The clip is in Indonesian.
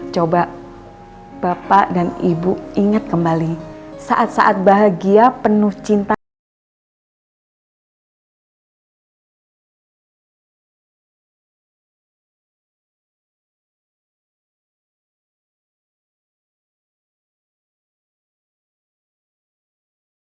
jangan mengambil keputusan di saat hati sedang marah dan sedih